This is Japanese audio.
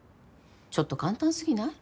ちょっと簡単すぎない？